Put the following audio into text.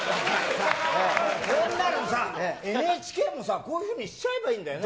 こんなのさ、ＮＨＫもさ、こういうふうにしちゃえばいいんだよね。